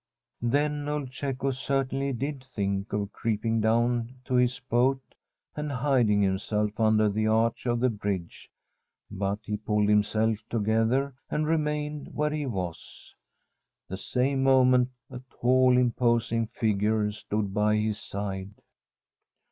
Then old Cecco certainly did think of creeping down to his boat and hiding himself under the arch of the bridge, but he pulled himself together and remained where he was. The same moment a tall, imposing figure stood by his side.